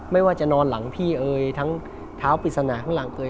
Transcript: ไม่ว่าจะนอนหลังพี่เอ๋ยทั้งเท้าปริศนาข้างหลังเอ่